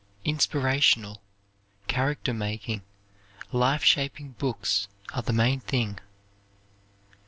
Inspirational, character making, life shaping books are the main thing.